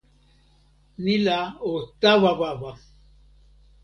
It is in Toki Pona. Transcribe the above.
ni la o tawa wawa.